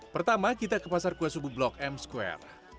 pertama kita ke pasar kue subuh blok m square